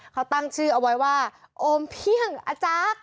เขาตั้งชื่อเอาไว้ว่าโอมเพียงอาจารย์